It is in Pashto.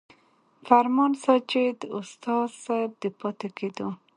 فرمان ساجد استاذ صېب د پاتې کېدو